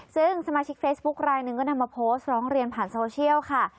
ซึ่งสมาชิกเฟซบุ๊คลายหนึ่งก็นำมาโพสต์ร้องเรียนผ่านโซเชียลค่ะ